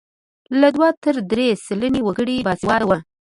له دوه تر درې سلنې وګړي باسواده وو.